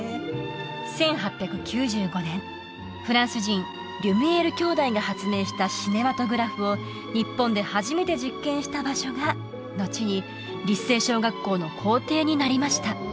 １８９５年フランス人リュミエール兄弟が発明したシネマトグラフを日本で初めて実験した場所がのちに立誠小学校の校庭になりました